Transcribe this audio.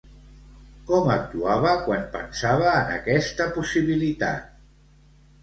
Com actuava quan pensava en aquesta possibilitat?